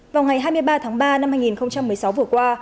vào ngày hai mươi ba tháng ba năm hai nghìn một mươi sáu vừa qua